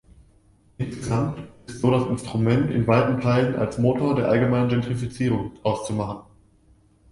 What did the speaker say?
Insgesamt ist so das Instrument in weiten Teilen als Motor der allgemeinen Gentrifizierung auszumachen.